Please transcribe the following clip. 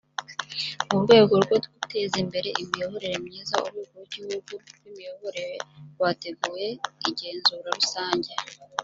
mu rwego rwo guteza imbere imiyoborere myiza urwego rw’igihugu rw’imiyoborere rwateguye igenzura rusange